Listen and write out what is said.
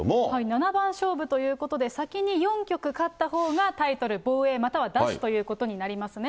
七番勝負ということで、先に４局勝ったほうがタイトル防衛、または奪取ということになりますね。